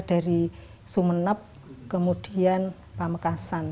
dari sumeneb kemudian pamekasan